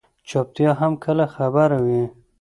چُپتیا هم کله خبره وي.